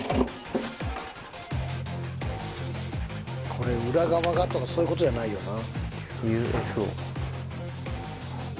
これ裏側がとかそういうことじゃないよな